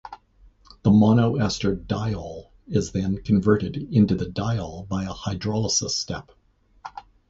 The mono-ester diol is then converted into the diol by a hydrolysis step.